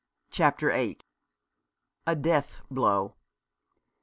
CHAPTER VIII. A DEATH BLOW.